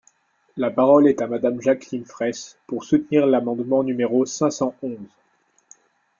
La parole est à Madame Jacqueline Fraysse, pour soutenir l’amendement numéro cinq cent onze.